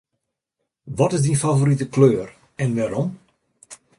Wat is dyn favorite kleur en wêrom?